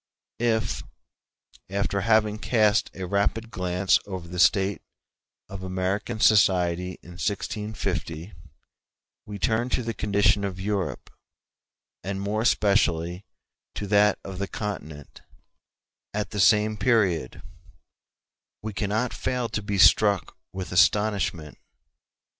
k [ Ibid., p. 90.] If, after having cast a rapid glance over the state of American society in 1650, we turn to the condition of Europe, and more especially to that of the Continent, at the same period, we cannot fail to be struck with astonishment.